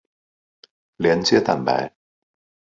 连接蛋白。